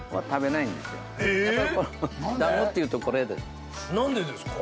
なんでですか？